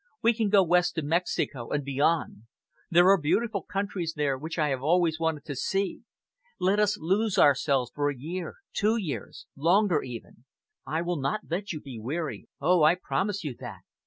We can go west to Mexico and beyond! There are beautiful countries there which I have always wanted to see. Let us lose ourselves for a year, two years longer even. I will not let you be weary! Oh! I promise you that.